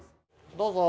どうぞ。